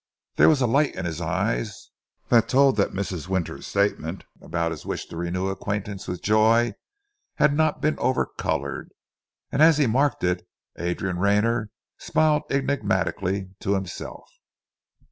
There was a light in his eyes that told that Mrs. Winter's statement about his wish to renew acquaintance with Joy had not been over coloured, and as he marked it, Adrian Rayner smiled enigmatically to himself.